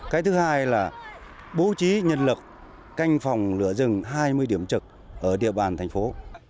cái thứ hai là bố trí nhân lực canh phòng lửa rừng hai mươi điểm trực ở địa bàn thành phố